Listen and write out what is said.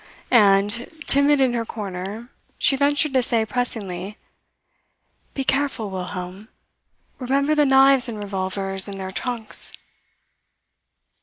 And, timid in her corner, she ventured to say pressingly: "Be careful, Wilhelm! Remember the knives and revolvers in their trunks."